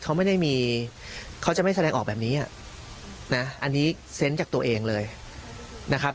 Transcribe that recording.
เขาไม่ได้มีเขาจะไม่แสดงออกแบบนี้อ่ะนะอันนี้เซนต์จากตัวเองเลยนะครับ